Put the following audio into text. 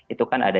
itu kan ada